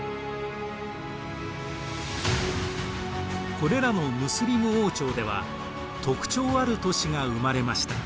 これらのムスリム王朝では特徴ある都市が生まれました。